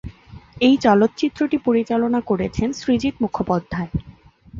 এই চলচ্চিত্রটি পরিচালনা করেছেন সৃজিত মুখোপাধ্যায়।